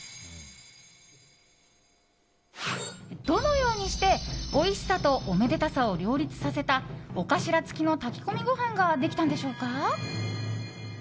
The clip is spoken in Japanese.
どのようにして、おいしさとおめでたさを両立させた尾頭付きの炊き込みご飯ができたんでしょうか。